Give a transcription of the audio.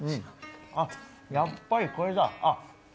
やっぱりこれだ。